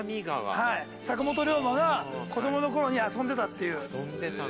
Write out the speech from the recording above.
坂本龍馬が子どもの頃に遊んでたっていう。